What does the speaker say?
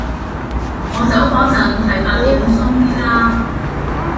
我走嗰陣係八點鬆啲